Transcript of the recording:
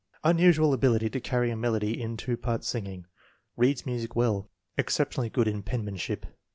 Unusual ability to carry a melody in two part singing. Reads music well. Exception ally good in penmanship.